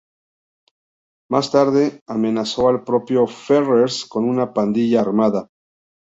Más tarde amenazó al propio Ferrers con una pandilla armada.